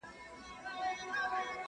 پر تسپو پر عبادت پر خیراتونو!.